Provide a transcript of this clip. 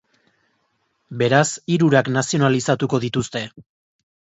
Beraz, hirurak nazionalizatuko dituzte.